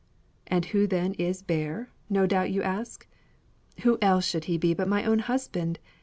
And who then is Bear? no doubt you ask. Who else should he be but my own husband?